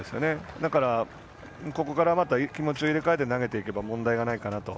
だからここから気持ちを入れ替えて投げていけば問題はないかなと。